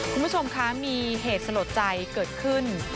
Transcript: คุณผู้ชมคะมีเหตุสลดใจเกิดขึ้น